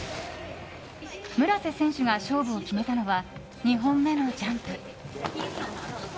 村瀬選手が勝負を決めたのは２本目のジャンプ。